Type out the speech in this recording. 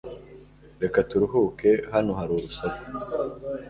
Reka turuhuke hano hari urusaku